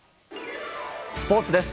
スポーツです。